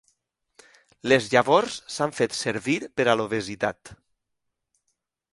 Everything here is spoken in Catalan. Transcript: Les llavors s'han fet servir per a l'obesitat.